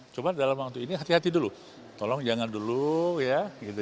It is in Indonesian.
coba dalam waktu ini hati hati dulu tolong jangan dulu ya